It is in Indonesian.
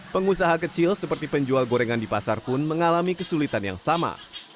pengusaha kecil seperti penjual gorengan di pasar pun mengalami kesulitan yang sama